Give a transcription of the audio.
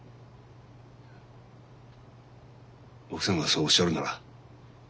奥さんがそうおっしゃるなら。